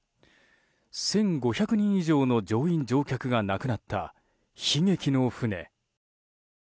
１５００人以上の乗員・乗客が亡くなった悲劇の船。